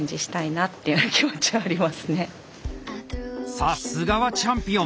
さすがはチャンピオン。